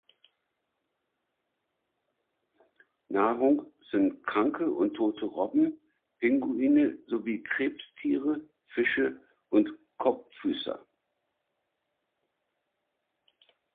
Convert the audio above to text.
Nahrung sind kranke und tote Robben, Pinguine sowie Krebstiere, Fische und Kopffüßer.